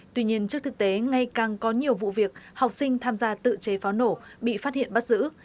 tuy nhiên trước thực tế ngay càng có nhiều vụ việc học sinh tham gia tự chế pháo nổ bị phát hiện bắt giữ